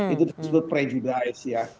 itu disebut prejudice ya